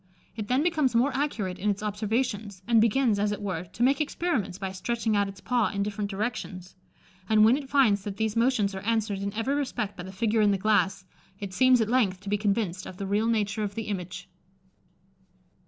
It then becomes more accurate in its observations, and begins, as it were, to make experiments by stretching out its paw in different directions; and when it finds that these motions are answered in every respect by the figure in the glass, it seems at length to be convinced of the real nature of the image."